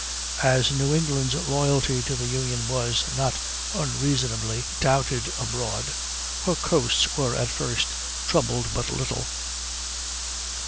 As New England's loyalty to the Union was, not unreasonably, doubted abroad, her coasts were at first troubled but little.